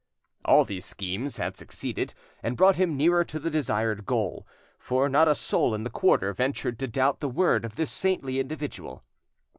All these schemes had succeeded, and brought him nearer to the desired goal, for not a soul in the quarter ventured to doubt the word of this saintly individual.